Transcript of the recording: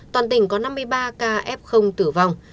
toàn tỉnh có năm mươi ba ca f tử vong